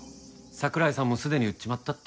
櫻井さんもすでに売っちまったって。